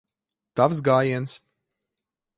Tavs gājiens.